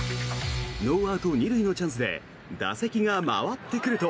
ノーアウト２塁のチャンスで打席が回ってくると。